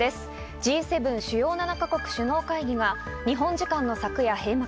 Ｇ７＝主要７か国首脳会議が日本時間の昨夜、閉幕。